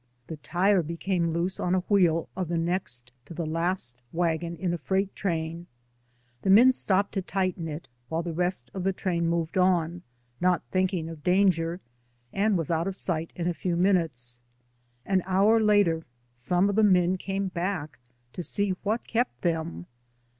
The tire became loose on a wheel of the next to the last wagon in a freight train, the men stopped to tighten it, while the rest of the train moved on, not thinking of danger, and was out of sight in a few minutes. An hour later some of the men came back to see what kept them.